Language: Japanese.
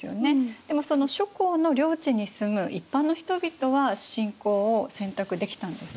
でもその諸侯の領地に住む一般の人々は信仰を選択できたんですか？